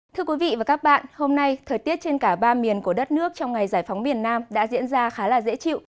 thưa quý vị và các bạn hôm nay thời tiết trên cả ba miền của đất nước trong ngày giải phóng miền nam đã diễn ra khá là dễ chịu